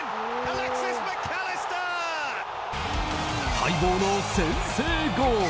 待望の先制ゴール。